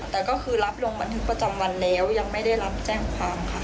แต่ก็คือรับลงบันทึกประจำวันแล้วยังไม่ได้รับแจ้งความค่ะ